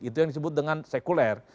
itu yang disebut dengan sekuler